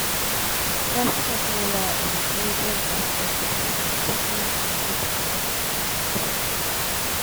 Pascagoula is a major industrial city of Mississippi, along the Gulf Coast.